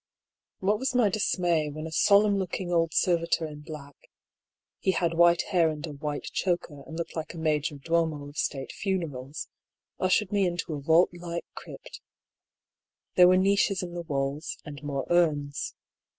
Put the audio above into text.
What was my dismay when a solemn looking old servitor in black (he had white hair and a " white choker," and looked like a major domo of State funerals) ushered me into a vault like crypt. There were niches in the walls and more urns.